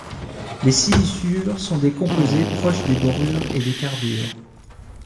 Les siliciures sont des composés proches des borures et des carbures.